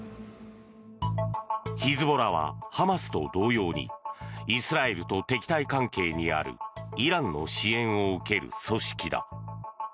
ヒズボラは、ハマスと同様にイスラエルと敵対関係にあるイランの支援を受ける組織だ。